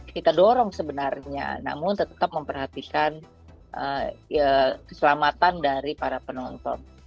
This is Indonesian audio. kita dorong sebenarnya namun tetap memperhatikan keselamatan dari para penonton